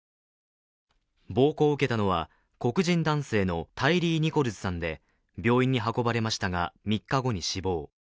暴行を受けたのは黒人男性のタイリー・ニコルズさんで病院に運ばれましたが３日後に死亡。